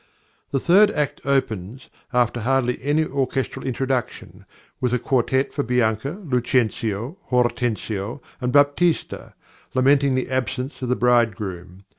The third act opens, after hardly any orchestral introduction, with a quartet for Bianca, Lucentio, Hortensio, and Baptista, lamenting the absence of the bridegroom.